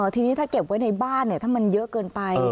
ทีนี้ถ้าเก็บไว้ในบ้านถ้ามันเยอะเกินไป